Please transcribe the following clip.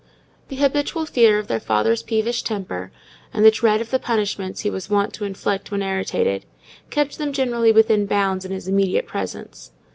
The habitual fear of their father's peevish temper, and the dread of the punishments he was wont to inflict when irritated, kept them generally within bounds in his immediate presence.